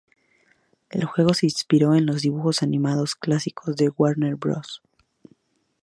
El juego se inspiró en los dibujos animados clásicos de Warner Bros.